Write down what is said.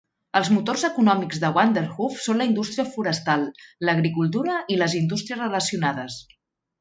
Els motors econòmics de Vanderhoof són la indústria forestal, l'agricultura i les indústries relacionades.